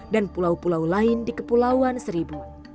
dan pulau pulau lain di kepulauan seribu